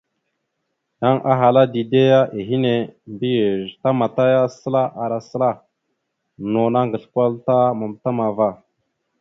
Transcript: Yan ahala dide ya ehene, mbiyez tamataya səla ara səla, no naŋgasl kwal ta matam ava.